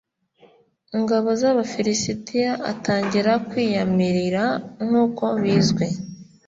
ngabo z abafilisitiya atangira kwiyamirira nk uko bizwi